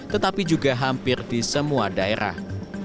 tetapi juga hampir di semua daerah